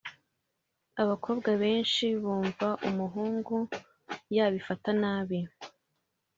Abakobwa benshi bumva umuhungu yabifata nabi